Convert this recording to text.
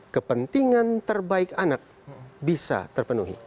kepentingan terbaik anak bisa terpenuhi